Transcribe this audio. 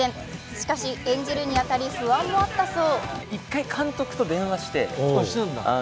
しかし、演じるに当たり、不安もあったそう。